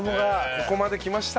ここまできました。